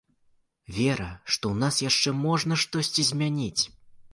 Вера, што ў нас яшчэ можна штосьці змяніць?